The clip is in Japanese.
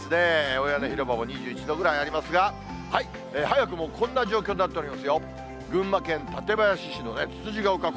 大屋根広場も２１度ぐらいありますが、早くもこんな状況になっておりますよ。